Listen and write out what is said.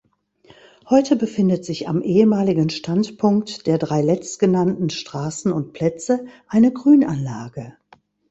Heute befindet sich am ehemaligen Standpunkt der drei letztgenannten Straßen und Plätze eine Grünanlage.